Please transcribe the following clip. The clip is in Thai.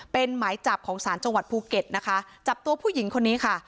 เป็นหมายจับของศาลจังหวัดภูเก็ตนะคะจับตัวผู้หญิงคนนี้ค่ะ